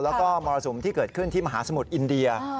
แล้วก็มรสุมที่เกิดขึ้นที่มหาสมุทรอินเดีย